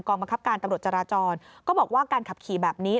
บังคับการตำรวจจราจรก็บอกว่าการขับขี่แบบนี้